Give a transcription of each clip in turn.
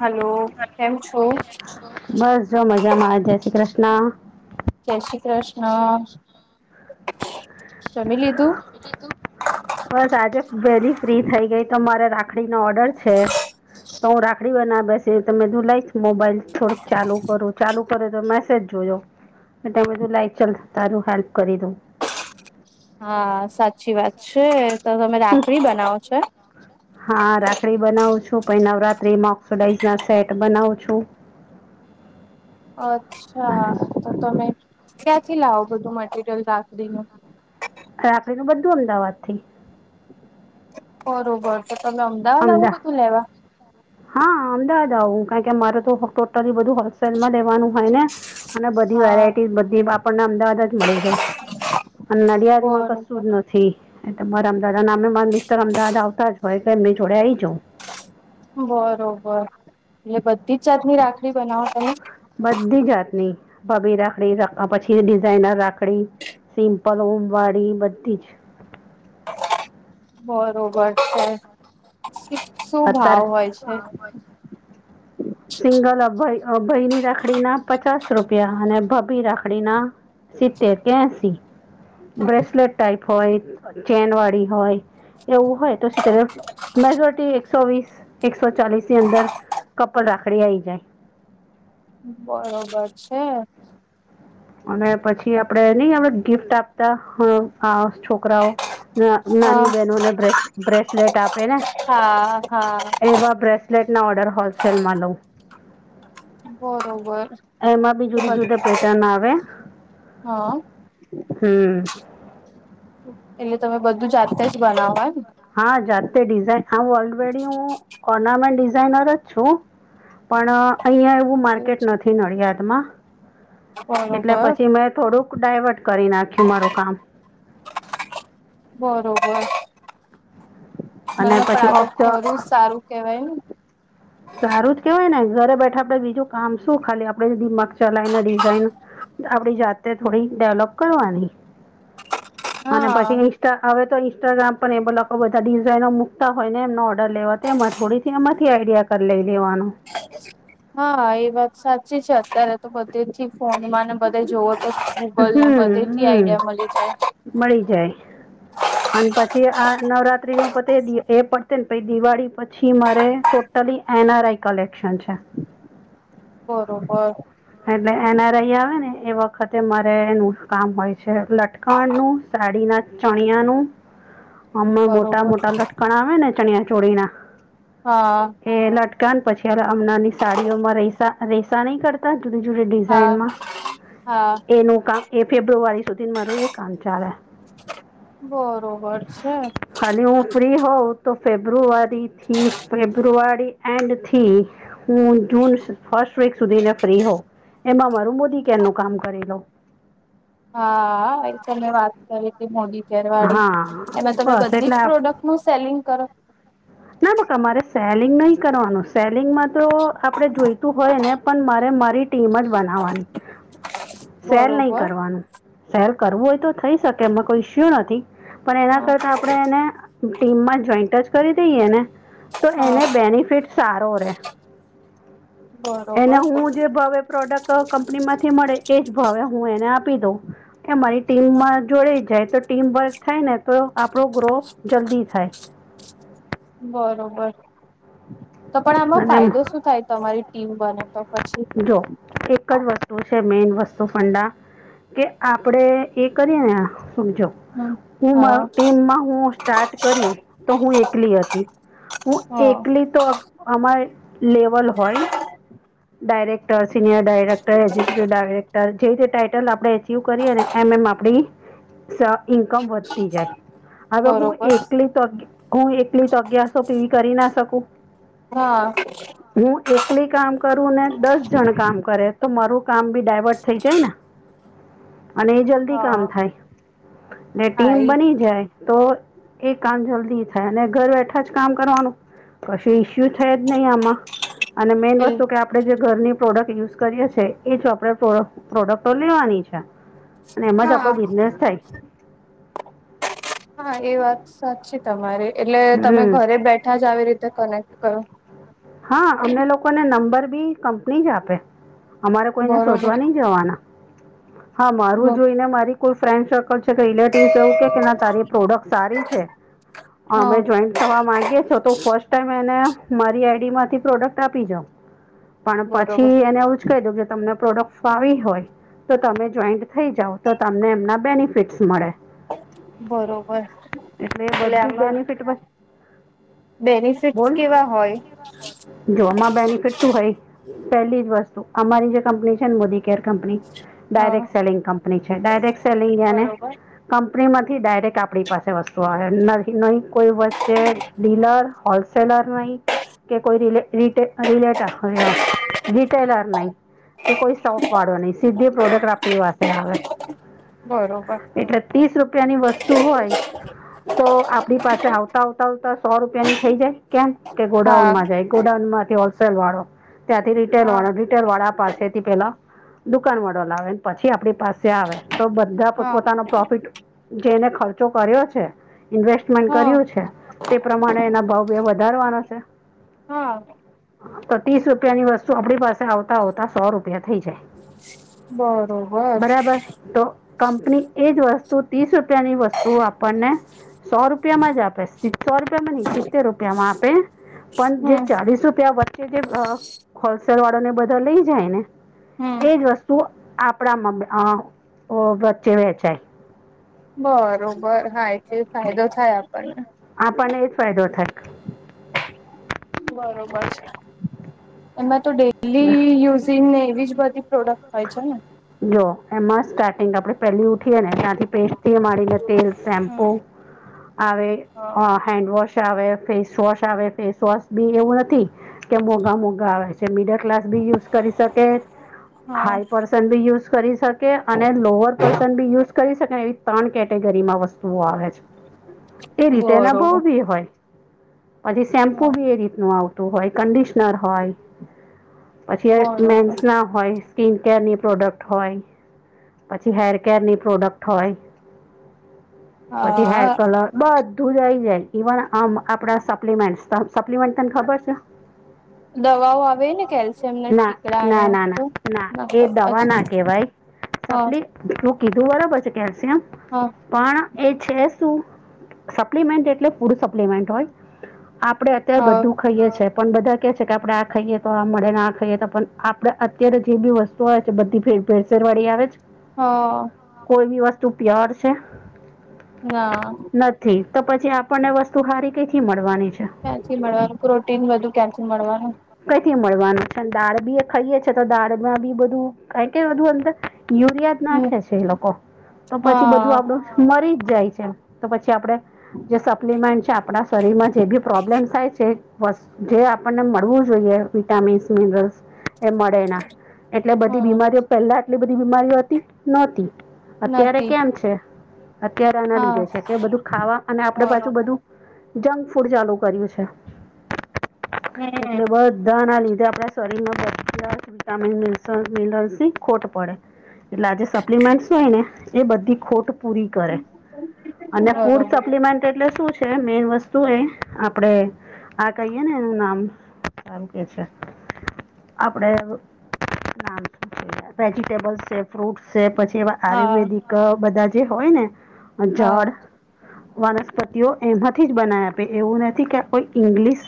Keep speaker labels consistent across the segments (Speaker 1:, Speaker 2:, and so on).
Speaker 1: Hello કેમ છું.
Speaker 2: બસ જો મજામાં જય શ્રી કૃષ્ણ.
Speaker 1: જય શ્રી કૃષ્ણ જમી લીધું.
Speaker 2: બસ આજે પેલી ફ્રી થઈ ગઈ તો મારે રાખડી નો ઓર્ડર છે. તો હું રાખડીઓ ના બેસે તમેધું લઈશ મોબાઈલ થોડુંક ચાલુ કરું ચાલુ. કરે તો મેસેજ જોજો કે તમે બધું લાઈ ચ તારું હેલ્પ કરી દો.
Speaker 1: હા સાચી વાત છે તો તમે રાખડી બનાવો છો.
Speaker 2: હા રાખડી બનાવું છું પછ નવરાત્ર્રી મોક્સોડાઇઝ ના સેટ બનાવું છું.
Speaker 1: અચ્છા
Speaker 2: અને
Speaker 1: તો તમે ક્યાંથી લાવો બધું મટીરિયલ રાખડીનું.
Speaker 2: રાત્રડી નું બધું અમદાવાદ થી.
Speaker 1: બરોબર તો તમે અમદાવાદ આવો કધું લેવા.
Speaker 2: હા અમદાવાદ આવ કારણ કે મારે તો ટોટલી બધું હોલસેલમાં લેવાનું હોય ને. અને બધી
Speaker 1: હા
Speaker 2: વેરાયટી બધી આપણને અમદાવાદ જ મળી છે અને નડિયાદમાં કશું
Speaker 1: બરોબર
Speaker 2: જ નથી. ી એ તમારા અમદાદા નામે મા મિસ્ટર અમદાવાદ આવતા જ હોય કે એમની જોડે આઈ જા.
Speaker 1: બરોબર એટલે બધી જ જાતની રાખડી બનાવો તમે.
Speaker 2: બધી જાતની બબી રાખડી પછી. ઝનર રાકડી સિમ્પલ ઓમવાડી બધી જ.
Speaker 1: બરોબર છે. શું ભાવ
Speaker 2: અત્યારે
Speaker 1: હોય છે.
Speaker 2: ચાલ ભ ભાઈની રાખડીના પચાસ રૂપિયા અને ભભી રાખડીના. સી્તેર કે્યાસી બ્રે્રેસલેટ ટાઈપ. હોય ચેન વાડીી હોય એવું હોય તો ત મેજોરિટી. સો વીસ એકસો ચાલીસની અંદર કપલ રાખડી આવી જાય.
Speaker 1: બરોબર છે.
Speaker 2: અને પછી આપડે નહી હ ગિફ્ટ આપતા છો. છોકરાઓ
Speaker 1: હ
Speaker 2: નાની બહેનોને બ્રેસલેટ આપે ને.
Speaker 1: હા હા.
Speaker 2: એવા બ્રેસલેટના ઓર્ડર હોલસેલમાં લઉં.
Speaker 1: બરોબર.
Speaker 2: એમાં બી જુદી
Speaker 1: હ
Speaker 2: જુદા પેટર્ન આવે હમ.
Speaker 1: એટલે તમે બધું જાતે જ બનાવવાને.
Speaker 2: હા જાતે ડિઝઇન હું ઓલવેડી હું ઓર્નામેન્ટ ડિઝાઇનર જ છું. પણ અહિયાં એવું
Speaker 1: એમ
Speaker 2: માર્કેટ નથી નડિયાદ માં. એટલે
Speaker 1: બરોબર
Speaker 2: પછી મેં થોડુંક ડાયવર્ટ કરી નાખ્યું મારું કામ.
Speaker 1: બરોબર. ના
Speaker 2: અને
Speaker 1: ના પણ
Speaker 2: પછી
Speaker 1: આ તો
Speaker 2: ઓફ ધ
Speaker 1: ખોરું સારું કેવાય ને
Speaker 2: સારું જ કેવાય ને ઘરે બેઠા આપડે બીજું કામ શું ખાલી આપડે દિમાગ ચલાયને ડિઝાઇન આપડી જાતે થોડી ડેવલોપ કરવાની
Speaker 1: હ
Speaker 2: અને અને પછે. હવે તો ઇન્સ્ટાગ્રામ પણ એ બા લોકો બધા ડિઝાઇનો મૂકતા હોય ને એમનો ઓર્ડર લેવા તેમાં થોડી એમાંથી આઈડિયા કરી લઈ લેવાનું.
Speaker 1: હા એ વાત સાચી છે અત્યારે તો બધીથી ફોન મને બધે જોવો તો ગૂગલ ને
Speaker 2: હમ
Speaker 1: બધે થી
Speaker 2: હમ
Speaker 1: આઈડિયા મળી જાય.
Speaker 2: મળી જાય
Speaker 1: હ
Speaker 2: અને પછી આ નવરાત્રી નું પતે એ પડત ને પ દિવાળી પછી મારે તો ટલી એનઆરઆઈ કલેક્શન છે.
Speaker 1: બરોબર
Speaker 2: એટલે એનારાઈ આવે ને એ વખતે મારે એનું કામ હોય લટકણનું સાડી ના ચણિયાનું અમમાં મોટા
Speaker 1: બરોબર
Speaker 2: મોટા લટકણ આવે ને ચણિયા ચોળી ના
Speaker 1: હા
Speaker 2: એ લટકા પછી હમણાં ની સાડીઓમાં રસા રેસા નહી કરતા જુદી જુદી
Speaker 1: હા
Speaker 2: ડિઝાઇન માં
Speaker 1: હા
Speaker 2: એનું કામ એ ફેબ્રુઆરી સુધી મારું એ કામ ચાલે
Speaker 1: બરોબર છે
Speaker 2: ખાલી હું ફ્રી હોઉ તો ફેબ્રુઆરી થી ફેબ્રુઆરી એન્ડ થી હું જૂન ફસ્ટ વીક સુધીને ફ્રી હો એમાં મારું મોદી કે એનું કામ કરી લઉં
Speaker 1: હા એ તમે વાત રીતે મોદી
Speaker 2: લઉં
Speaker 1: કેરવાડી
Speaker 2: હા
Speaker 1: એમાં તમે
Speaker 2: બસ
Speaker 1: બધી
Speaker 2: એટલે
Speaker 1: જ
Speaker 2: આ
Speaker 1: પ્રોડક્ટ નું સેલિંગ કરો
Speaker 2: ના મક અમારે સેલિંગ નહીં કરવાનું સ્પેલિંગ માં તો આપણે જોઈતું હોય ને પણ મારે મારી ટીમ જ બનાવવાની સેલ નહી
Speaker 1: બરોબર
Speaker 2: કરવાનું સેલ કરવું હોય તો થઈ શકે એમાં કોઈ ઇશ્યુ નથી પણ એના
Speaker 1: હા
Speaker 2: કરતા આપણે એને ટીમમાં જોઈન્ટ જ કરી દઈએ ને તો એને
Speaker 1: હા
Speaker 2: બેનિફિટ સારો રે
Speaker 1: બરોબર
Speaker 2: એને હું જે ભાવ પ્રોડક્ટ કંપની માંથી મળે એજ ભાવે હું એને આપુ દો કે મારી ટીમ માં જોડાઈ જાય તો ટીમ વર્ક થાય ને તો આપણો ગ્રો જલ્દી થાય.
Speaker 1: બરોબર તો પણ આમાં
Speaker 2: અને એમ
Speaker 1: ફાયદો શું થાય તમારી ટીમ બને તો પછી
Speaker 2: જો એક જ વસ્તુ છે મેન વસ્તુ ફંડા કે આપણે એ કરીએ ને સમજો હું મા
Speaker 1: હા
Speaker 2: ટીમમાં હું સ્ટાર્ટ કર્યું તો હું એકલી હતી હું
Speaker 1: હા
Speaker 2: એકલી તો અમારે લેવલ હોય ડાયરેક્ટર સિનયર ડાયરેક્ટરક્ઝિક્યુટીવ ડાયરેક્ટર જે રીતે ટાઇટલ આપણે એચિવ કરીએ ને એમ એમ આપણી ઇન્કમ વધતી જાય હવે હું
Speaker 1: બરોબર
Speaker 2: એકલી હું એકલી તગ્યા છ તોવી કરી ના શકું
Speaker 1: હા
Speaker 2: હું એકલી કામ કરું ને દસ જણ કામ કરે તો મારું કામ બી ડાયવર્ટ થઈ જાય ને અને એ જ જલ્ કામ
Speaker 1: હા
Speaker 2: થાય
Speaker 1: હા
Speaker 2: ટીમ
Speaker 1: એ
Speaker 2: બની જાય તો એ કામ જલ્દી થાય અને ઘર બેઠા જ કામ કરવાનું પછી ઈસ્યુ થયા જ નહી આમાં અને મેન વસ્તુ
Speaker 1: એટલે
Speaker 2: કે આપણે જે ઘરની પ્રોડક્ટ યુઝ કરીએ છીએ એ જો આપણે પ્રોડક્ટો લેવાની છે. અને એમાં જ
Speaker 1: હા
Speaker 2: આપણો બિઝનેસ થાય
Speaker 1: હા એ વાત સાચી. તમારી એટલે તમે
Speaker 2: હમ
Speaker 1: ઘરે બેઠા જ આવી રીતે કનેક્ટ કરો.
Speaker 2: હા અમને લોકોને નંબર બી કંપની જ આપે અમારે કોઈને
Speaker 1: બરોબર
Speaker 2: શોધવા નહી જવાના. હા મારું જોઈને મારી કોઈ ફ્રેન્ડ સર્કલ રિલેટિવ એવું કે કે ના તારી પ્રોડક્ટ સારી છે
Speaker 1: હા
Speaker 2: અમે જોઈન્ટ. તવા ગે છો તો ફર્સ્ટ ટાઈમ એને મારી આઈડી માંથી પ્રોડક્ટ આપી જા. પણ
Speaker 1: બરોબર
Speaker 2: પછી એને એવું જ કહી દઉ કે તમને પ્રોડક્ટ ફાવી હોય. તો તમે જોઈન્ટ થઇ જાવ તો તમને એમના બેનિફિટ્સ મળે.
Speaker 1: બરોબર
Speaker 2: એ
Speaker 1: એટલે
Speaker 2: બધું
Speaker 1: આમાં.
Speaker 2: બેનિફિટ
Speaker 1: બેનિફિટ્સ કેવા હોય.
Speaker 2: જોમાં બેનિફિટ શું હય પહેલી જ વસ્તુ અમારી જે કંપની છે ને મોદી. કેર કંપની
Speaker 1: હા
Speaker 2: ડાયરેક્ટ સેલિંગ કંપની છે ડાયરેક્ટ સેલિંગ એને.
Speaker 1: બરોબર
Speaker 2: કંપની માંથી ડાયરેક્ટ આપણી પાસે વસ્તુ આવે ન નહી કોઈ વચ્ચે. ડીલર હોલસેલર નહી. કે કોઈ રલે રીટે રિલેટા રિટેલર નહી. કે કોઈ સોફ વાળો નહી સીધી પ્રોડક્ટ આપણી પાસે આવે
Speaker 1: બરોબર
Speaker 2: એટલે. તીશ રૂપિયા ની વસ્તુ હોય. તો આપડી પાસે આવતા આવતા આવતા સો રૂપિયા ની થઇ જાય કેમ કે. ગોઉન
Speaker 1: હા
Speaker 2: માં જાય ગોડાઉન માંથી હોલસેલ વાળો ત્યાંથી રીટેલ
Speaker 1: હા
Speaker 2: વાળો. રીટેલ વાળા પાસે થી પેલા દુકાન વાળો લાવે પછી આપડી પાસે. તે આવે તો બધા
Speaker 1: હા
Speaker 2: પોતપોતાનો પ્રોફિટ જેને ખર્ચો કર્યો છે ઇન્વેસ્ટ. ઇન્વેસ્ટ
Speaker 1: હા
Speaker 2: કર્યું છે તે પ્રમાણે એના ભાવ ભ વધારવાનો છે.
Speaker 1: હા.
Speaker 2: તો તીશ રૂપિયા ની વસ્તુ આપડી પાસે. આવતા આવતા સો રૂપિયા થઈ જાય
Speaker 1: બરોબર
Speaker 2: બરાબર. તો કંપની એજ વસ્તુ ત્રીસ રૂપિયાની વસ્તુ આપણને. સો રૂપિયામાં જ આપે સો રૂપિયામાં નહી સિત્તેર રૂપિયા માં આપે. પણ જે
Speaker 1: હમ
Speaker 2: ચાલીસ રૂપિયા વચ્ચે જે અ હોલસેલ વાળો ને બધા લઈ જાય ને.
Speaker 1: હમ
Speaker 2: એજ વસ્તુ આપણામાં અ વચ્ચે વેચાય.
Speaker 1: બરોબર હા એટલે ફાયદો થાય આપણને.
Speaker 2: આપણને એ જ ફાયદો થાય
Speaker 1: બરોબર છે એમાં તો ડેલી યુઝ. સિનને એવી જ બધી પ્રોડક્ટ હોય છે ને.
Speaker 2: જો એમાં સ્ટાર્ટિંગ આપડણે પહેલી ઉઠીએ ને ત્યાંથી. પેસ્ટ થી મારીને તેલ શેમ્પુ
Speaker 1: હા
Speaker 2: આવે. હેન્ડ વોશ આવે ફેસ વોશ આવે ફેસ વોશ બી એવું નથી. કે મોઘા મોઘા આવે છે મિડલ ક્લાસ બી યુઝ કરી શકે
Speaker 1: હા
Speaker 2: હાઈપ. પર્સન બી યુઝ કરી શકે અને લોઅર પર્સન બી યુઝ કરી શકાય. ત્રણ કેટેગરી માં વસ્તુઓ આવે છે એ રીતે એના
Speaker 1: બરોબર
Speaker 2: ભોવ બી હોય. પછી સેમ્પુ
Speaker 1: હા
Speaker 2: બી એ રીતનું આવતું હોય કન્ડિશનર હોય. પછી મેન્સ
Speaker 1: બરોબર
Speaker 2: ના હોય સ્કીન કેર ની. પ્રોડક્ટ હોય પછી હેરકેરની પ્રોડક્ટ હોય. પછી હેર
Speaker 1: હા
Speaker 2: કલર. બધુંજ આઈ જાય ઇવન આમ આપડા સપ્લિમેન્ટ સપ્લિમેન્ટ તને ખબર છે.
Speaker 1: દવાઓ આવે ને કેલ્શિયમ ને
Speaker 2: ના
Speaker 1: ટીકડા ને
Speaker 2: ના
Speaker 1: એવું
Speaker 2: ના ના ના
Speaker 1: બધું
Speaker 2: એ. વા ના
Speaker 1: અચ્છા
Speaker 2: કેવાય
Speaker 1: હા
Speaker 2: ચપલી તું કીધું બરાબર છે કેલ્શિયમ.
Speaker 1: હા
Speaker 2: પણ એ છે શું સપ્લિમેન્ટ એટલે ફૂડ સપ્લિમેન્ટ હોય. આપડે અત્યારે
Speaker 1: હા
Speaker 2: બધું. ખાઈએ છે પણ બધા કે છે કે આપડણે આ ખાઈએ તો આ મળે ને આ ખાઈએ તો પણ આપણેે અત્યારે જે બી વસ્તુ. આવે છે બતી ફેરસરવાળડી આવે છે.
Speaker 1: હા.
Speaker 2: કોઈ બી વસ્તુ પ્યોર છે.
Speaker 1: ના.
Speaker 2: નથી તો પછી આપણને વસ્તુ સારી કઈથી મળવાની છે?
Speaker 1: કેથી મળવાનું પ્રોટીન બધું કેથી મળવાનું.
Speaker 2: કઈથી મળવાનું છે દાળ બી એ ખાઈએ છી તો દાળમાં બી બધું. ક કે બધું અર યુરિયા જ
Speaker 1: હમ
Speaker 2: નાખે છે એ લોકો તો પછી બધું
Speaker 1: હા
Speaker 2: આપડું. મરી જ જાય છે તો પછી આપણે જે સપ્લિમેન્ટ છે આપણા શરીરમાં જે બી પ્રોબ્લેમ થાય છે [inaudible] જે આપણને મળવું જોઈએ વિટામીન્સ મિનરલ્સ એ મળે ના. એટલે બધી
Speaker 1: હમ
Speaker 2: બીમારીઓ પહેલા આટલી બધી બીમારીઓ હતી, નહોતી. અત્યારે
Speaker 1: નથી
Speaker 2: કેમ છે અત્યારે આના
Speaker 1: હા
Speaker 2: લીધે છે કે બધું ખાવા અને આપડે પાછું
Speaker 1: બરોબર
Speaker 2: બધું જંક ફૂડ ચાલુ કર્યું છે.
Speaker 1: હમ
Speaker 2: એટલે બધા ના લીધે આપણા શરીરમાં [inaudible] વિટામીન [inaudible] મિલનસી ખોટ પડે એટલે આજે સ એપ્લિમેન્ટસ હોય ને એ બધી ખોટ પૂરી કરે. અને ફૂડ
Speaker 1: બરોબર
Speaker 2: સપ્લિમેન્ટ એટલે શું છે મેન વસ્તુ એ આપડે આ કહીએ ને એનું નામ હારુ કઈ છે. આપડે આ વેજીિટેબલ છે, ફ્રૂટ છે પછી એવા
Speaker 1: હા
Speaker 2: આયુર્વેદિક ક બધા જે હોય ને
Speaker 1: હા
Speaker 2: જડ વનસ્પતિઓ એમાંથી જ બનાવે આપે એવું નથી કે કોઈ ઇંગ્લિશ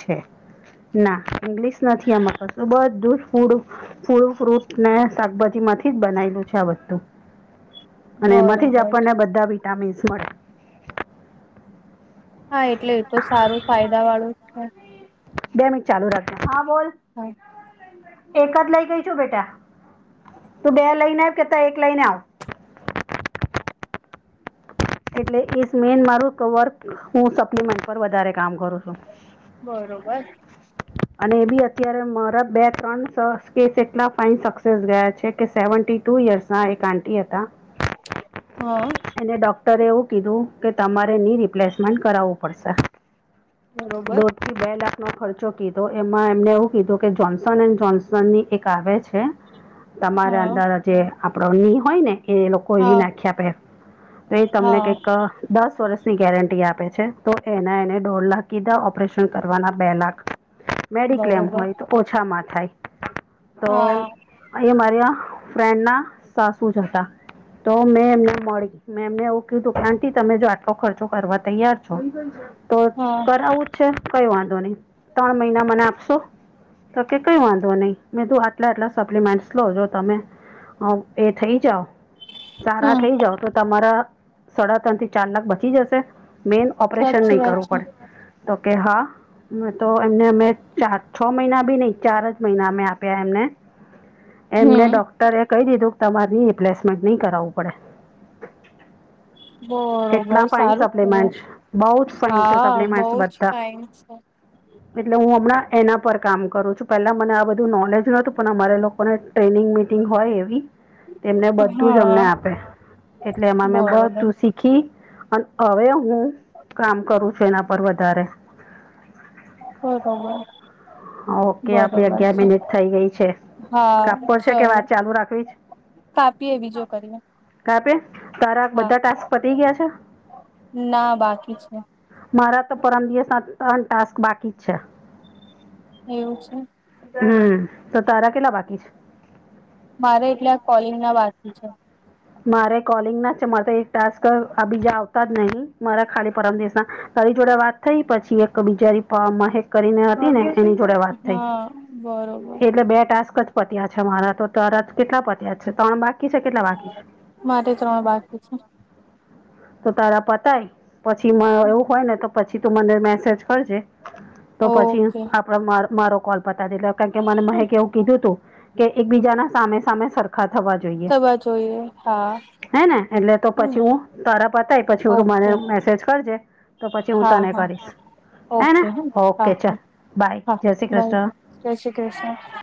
Speaker 2: છે. ના ઇંગ્લિશ નથી આમાં કશું બધ ફૂડ ફૂલ, ફ્રૂટ ને શાકભાજી માંથી જ બનાયલું છે આ બધું. અને એમાંથી જ
Speaker 1: બરોબર
Speaker 2: આપણને બધા વિટામીન્સ મળે.
Speaker 1: હા એટલે એ તો સારું ફાયદા વાળું. છે
Speaker 2: બે મિનટ ચાલુ રાખો, હા બોલ.
Speaker 1: હા.
Speaker 2: એક જ લઈ ગઈ છું બેટા. તું બે લઈને આવ કેતા એક લઈને આવ. એટલે એક મેન મારૂ વર્ક હું સપ્લિમેન્ટ પર વધારે કામ કરું છું.
Speaker 1: બરોબર.
Speaker 2: અને એ બી અત્યારે મારા બે ત્રણ કેસ એટલા ફાઈન સક્સેસ ગયા છે કે સેવન્ટી ટુ યર્સ હા એક આંટી હતા.
Speaker 1: હા.
Speaker 2: એને ડોક્ટરે એવું કીધું કે તમારે ની રિપ્લેસમેન્ટ કરાવવું પડશે.
Speaker 1: બરોબર.
Speaker 2: દો બે લાખનો ખર્ચો કીધો એમાં એમને એવું કીધું કે જોન્સન એન્ડ જોન્સન ની એક આવે છે.
Speaker 1: હ
Speaker 2: તમારે અંદર જે આપણો ની હોય ને એ લોકો એવી
Speaker 1: હા
Speaker 2: નાખ્યા આપે. તો એ તમને
Speaker 1: હા
Speaker 2: કઈક દસ વર્ષની ગેરંટી આપે છે તો એના એને દોઢ લાખ કીધા ઓપરેશન કરવાના બે લાખ. મેડિક્લેમ
Speaker 1: બરોબર
Speaker 2: હોય તો ઓછામાં થાય. તો
Speaker 1: હા
Speaker 2: અહીંયા મારી આ ફ્રેન્ડ ના સાસુ જ હતા તો મેં એમને મળી. મેં એમને એવું કીધું આંટી તમે જો આટલો ખર્ચો કરવા તૈયાર છો તો
Speaker 1: હા
Speaker 2: કરાવું છે, કઈ વાંધો નઈ ત્રણ મહિના મને આપશો? તો કે કઈ વાંધો નહીં. મેં તું આટલા આટલા સપ્લિમેન્ટ લો જો તમે અ એ થઇ જાવ સારા
Speaker 1: હમ
Speaker 2: થઇ જાવ તો તમારા સાડાતનથી ચાર લાખ બચી જશે? મેન ઓપરેશન
Speaker 1: સાચી
Speaker 2: નહીં
Speaker 1: વાત
Speaker 2: કરવું
Speaker 1: છે
Speaker 2: પડે. તો કે હા. મેં તો એમને અમે ચાર છ મહિના બી નહી ચાર જ મહિના અમે આપ્યા એમને. એમને
Speaker 1: હમ
Speaker 2: ડોક્ટરે કહી દીધું કે તમારી ની રિપ્લેસમેન્ટ નહી કરાવવું પડે. કેટલા
Speaker 1: બરોબર
Speaker 2: ફાઈન
Speaker 1: સારું કેવાય
Speaker 2: સપ્લિમેન્ટ બવ જ ફાઇન છે
Speaker 1: હા બઉ
Speaker 2: સપ્લિમેન્ટ
Speaker 1: જ
Speaker 2: બધા.
Speaker 1: ફાઇન છે.
Speaker 2: એટલે હું હમણાં એના પર કામ કરું છું પેલા મને આ બધું નોલેજ નોતું પણ અમારે લોક [unintelligible] ટ્રેનિંગ મિટિંગ હોય એવી તેમને બધું જ અમને
Speaker 1: હા
Speaker 2: આપે. એટલે એમાં મેં
Speaker 1: બરોબર
Speaker 2: બધું શીખી અને હવે હું કામ કરું તેના પર વધારે
Speaker 1: [unintelligible]
Speaker 2: ઓકે આપડી
Speaker 1: બરોબર
Speaker 2: અગિયાર
Speaker 1: છે
Speaker 2: મિનિટ થઇ ગઈ છે.
Speaker 1: હા
Speaker 2: કાપવો છે કે વાત ચાલુ રાખવી જ?
Speaker 1: કાપીએવી.
Speaker 2: કા પે, તારા
Speaker 1: હા
Speaker 2: બધા ટાસ્ક પતી ગયા છે?
Speaker 1: ના, બાકી છે.
Speaker 2: મારા તો પરમ દિવસના ત્રણ ટાસ્ક બાકી છે.
Speaker 1: એવું છે.
Speaker 2: હમ, તો તારા કેટલા બાકી છ?
Speaker 1: મારે એકલા કોલિંગના બાકી છે.
Speaker 2: મારે કોલિંગ ના છે માર તો એક ટાસ્ક આયો અ બીજા આવતા જ નહીં. મારા ખાલી પરમ દિવસના તારી જોડે વાત થઈ પછી એક બીજારી પ મહેશ કરીને હતું ને એની જોડે વાત થઈ,
Speaker 1: હા બરોબર
Speaker 2: એટલે બે ટાસ્ક પત્યા છે મારા તો, તાર કેટલા પત્યા છે? ત્રણ બાકી છે, કેટલા બાકી છે?
Speaker 1: મારે ત્રણ બાકી છે.
Speaker 2: તો તારા પતાય પછી મ એવું હોય ને તો પછી તું મને મેસેજ કરજે તો પછી
Speaker 1: ઓકે
Speaker 2: આપડ માર મારો કોલ પતા દે કારણ કે મને મહેકે એવું કીધું તું કે એકબીજાના સામે-સામે સરખા થવા જોઈએ.
Speaker 1: [unintelligible] જોઈએ. હા.
Speaker 2: હે ને એટલે તો
Speaker 1: હને
Speaker 2: પછી હું તારા પતાય પછી તું મને
Speaker 1: ઓકે
Speaker 2: મેસેજ કરજે તો પછી હું
Speaker 1: હા
Speaker 2: તને
Speaker 1: હા
Speaker 2: કરીશ, હે ને
Speaker 1: ઓકે હા
Speaker 2: ઓકે
Speaker 1: હા
Speaker 2: ચલ બાય,
Speaker 1: હા
Speaker 2: જય શ્રી
Speaker 1: બાય
Speaker 2: કૃષ્ણ.
Speaker 1: જય શ્રી કૃષ્ણ.